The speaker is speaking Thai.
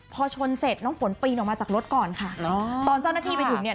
พอชนเสร็จน้องฝนปีนออกมาจากรถก่อนค่ะตอนเจ้าหน้าที่ไปถึงเนี่ย